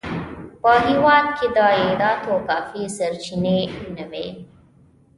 په هېواد کې د عایداتو کافي سرچینې نه وې.